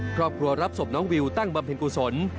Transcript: ครอบครัวรับศพน้องวิวตั้งบำเพ็ญกุศล